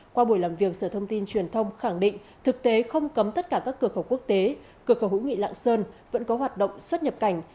qua buổi làm việc sở thông tin truyền thông khẳng định thực tế không cấm tất cả các cửa khẩu quốc tế cửa khẩu hữu nghị lạng sơn vẫn có hoạt động xuất nhập cảnh